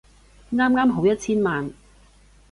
啱啱好一千萬